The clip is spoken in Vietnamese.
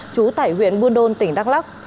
chú tại huyện buôn đôn tỉnh đắk lắc